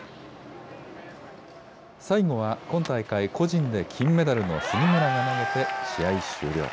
最後は今大会、個人で金メダルの杉村が投げて試合終了。